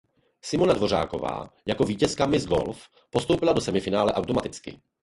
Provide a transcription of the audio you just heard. Simona Dvořáková jako vítězka Miss Golf postoupila do semifinále automaticky.